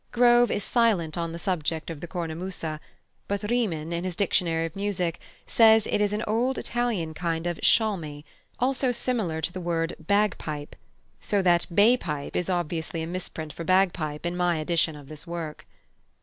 Grove is silent on the subject of the cornamusa; but Riemann, in his Dictionary of Music, says it is "an old Italian kind of schalmey," "also similar to the word bagpipe": so that "bay pipe" is obviously a misprint for bagpipe in my edition of this work.